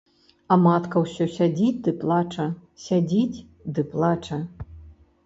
А матка ўсё сядзіць ды плача, сядзіць ды плача.